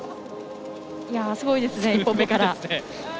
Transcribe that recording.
すごいですね１本目から。